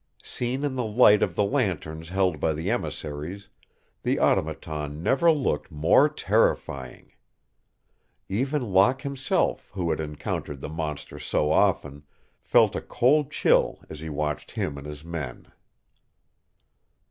Seen in the light of the lanterns held by the emissaries, the Automaton never looked more terrifying. Even Locke himself, who had encountered the monster so often, felt a cold chill as he watched him and his men.